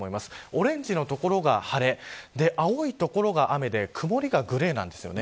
オレンジの所が晴れ青い所が雨で曇りがグレーなんです。